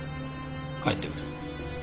帰ってくれ。